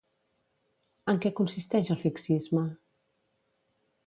En què consisteix el fixisme?